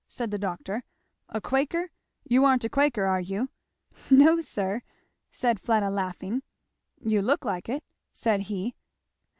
said the doctor. "A Quaker! you aren't a Quaker, are you?" "No sir," said Fleda laughing. "You look like it," said he.